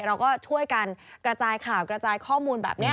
เราก็ช่วยกันกระจายข่าวกระจายข้อมูลแบบนี้